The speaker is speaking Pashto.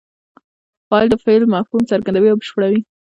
فاعل د فعل مفهوم څرګندوي او بشپړوي.